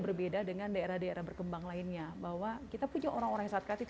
berbeda dengan daerah daerah berkembang lainnya bahwa kita punya orang orang yang saat kreatif